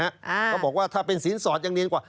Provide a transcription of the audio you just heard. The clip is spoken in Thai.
เขาบอกว่าถ้าเป็นสินสอดยังเรียนกว่า